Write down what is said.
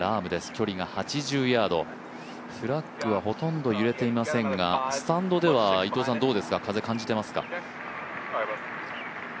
距離が８０ヤード、フラッグはほとんど揺れていませんがスタンドではどうですか、風、感じていますか？